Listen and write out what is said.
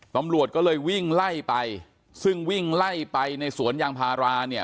ตำรวจก็เลยวิ่งไล่ไปซึ่งวิ่งไล่ไปในสวนยางพาราเนี่ย